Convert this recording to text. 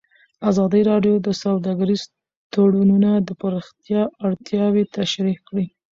ازادي راډیو د سوداګریز تړونونه د پراختیا اړتیاوې تشریح کړي.